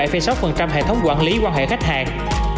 bốn mươi bảy sáu hệ thống quản lý quan hệ khách hàng